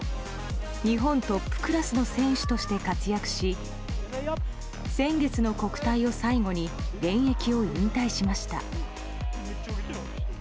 日本トップクラスの選手として活躍し先月の国体を最後に現役を引退しました。